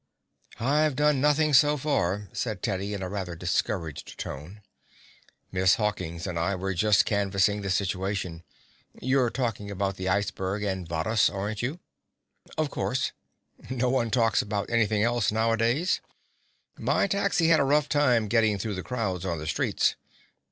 "I've done nothing so far," said Teddy in a rather discouraged tone. "Miss Hawkins and I were just canvassing the situation. You're talking about the iceberg and Varrhus, aren't you?" "Of course. No one talks about anything else nowadays. My taxi had a tough time getting through the crowds on the streets.